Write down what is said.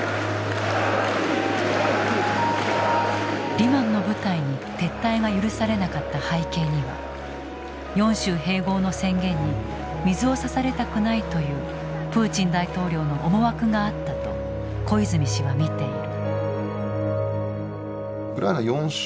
リマンの部隊に撤退が許されなかった背景には４州併合の宣言に水をさされたくないというプーチン大統領の思惑があったと小泉氏は見ている。